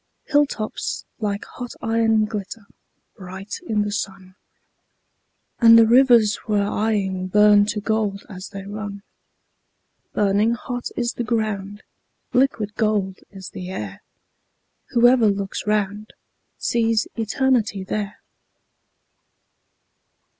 Hill tops like hot iron glitter bright in the sun, And the rivers we're eying burn to gold as they run; Burning hot is the ground, liquid gold is the air; Whoever looks round sees Eternity there.